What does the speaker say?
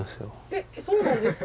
えっそうなんですか？